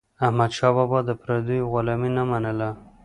احمدشاه بابا د پردیو غلامي نه منله.